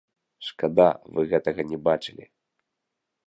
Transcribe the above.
Шкада, вы гэтага не бачылі.